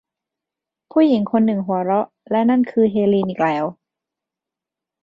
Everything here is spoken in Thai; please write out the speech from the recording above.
ผู้หญิงคนหนึ่งหัวเราะ และนั่นคือเฮลีนอีกแล้ว